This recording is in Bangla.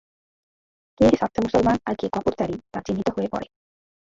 কে সাচ্চা মুসলমান আর কে কপটচারী তা চিহ্নিত হয়ে পড়ে।